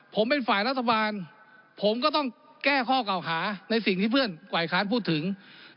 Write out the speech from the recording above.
ผมเป็นฝ่ายรัฐบาลผมก็ต้องแก้ข้อเก่าหาในสิ่งที่เพื่อนฝ่ายค้านพูดถึง